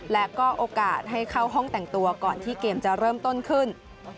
และก็โอกาสให้เข้าห้องแต่งตัวก่อนที่เกมจะเริ่มต้นขึ้น